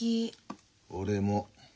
俺も。